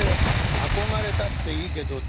憧れたっていいけど。